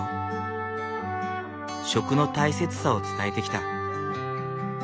食の大切さを伝えてきた。